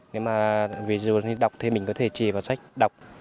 nếu mà ví dụ như đọc thì mình có thể chỉ vào sách đọc